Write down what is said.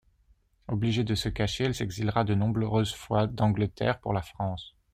Obligée de se cacher, elle s’exilera de nombreuses fois d’Angleterre pour la France.